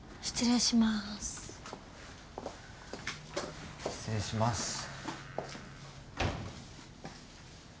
失礼します。